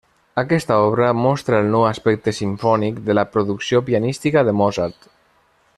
Aquesta obra mostra el nou aspecte simfònic de la producció pianística de Mozart.